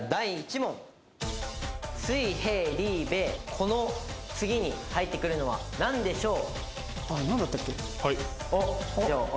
この次に入ってくるのは何でしょう？